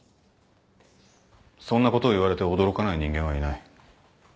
そんなことを言われて驚かない人間はいない。